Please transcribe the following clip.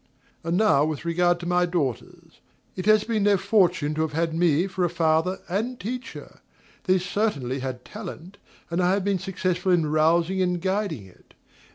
And now with regard to my daughters. It has been their fortune to have had me for a father and teacher: they certainly have talent, and I have been successful in rousing and guiding it.